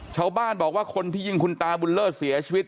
ชาวบ้านบอกว่าคนที่ยิงคุณตาบุญเลิศเสียชีวิต